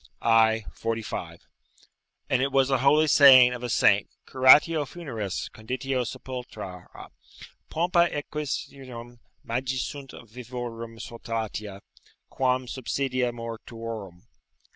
i. 45.] and it was a holy saying of a saint, "Curatio funeris, conditio sepultura: pompa exequiarum, magis sunt vivorum solatia, quam subsidia mortuorum."